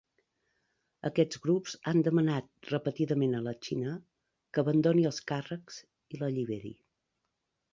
Aquests grups han demanat repetidament a la Xina que abandoni els càrrecs i l'alliberi.